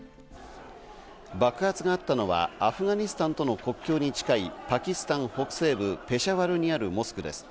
爆発があったのはアフガニスタンとの国境に近いパキスタン北西部ペシャワルにあるモスクです。